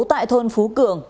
tại thôn phú cường